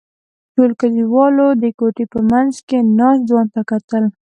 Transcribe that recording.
ټولو کلیوالو د کوټې په منځ کې ناست ځوان ته کتل.